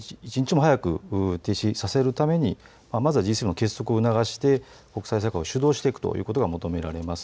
一日も早く停止させるためにまずはＧ７の結束を促し国際社会を主導していくことが求められます。